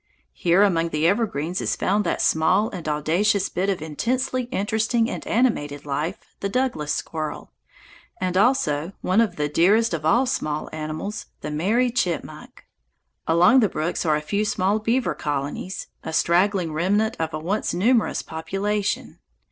Here among the evergreens is found that small and audacious bit of intensely interesting and animated life, the Douglas squirrel, and also one of the dearest of all small animals, the merry chipmunk. Along the brooks are a few small beaver colonies, a straggling remnant of a once numerous population.